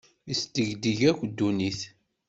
Isdegdeg akk ddunit.